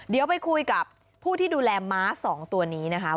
เดี๋ยวไปคุยกับผู้ที่ดูแลม้า๒ตัวนี้นะคะ